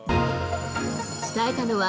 伝えたのは、